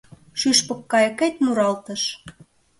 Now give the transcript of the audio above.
Шӱшпык кайыкет муралтыш.